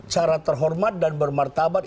cara terhormat dan bermartabat